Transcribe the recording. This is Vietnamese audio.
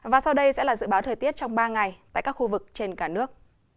và sau đây sẽ là dự báo thời tiết trong ba ngày tại các khu vực trên cả nước